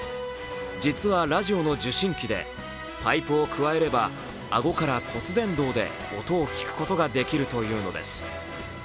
実はラジオの受信機でパイプをくわえれば顎から骨伝導で音を聞くことができるというのです。